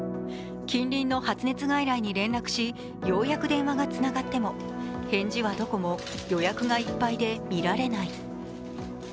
近隣の発熱外来に連絡し、ようやく電話がつながっても返事はどこも、予約がいっぱいで診られない。